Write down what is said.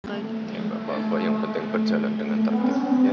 hai saya kawan kawan yang kutempat calon dengan tati